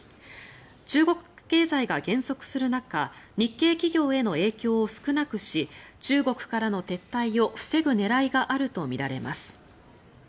中国経済が減速する中日系企業への影響を少なくし中国からの撤退を防ぐ狙いがあるとみられます。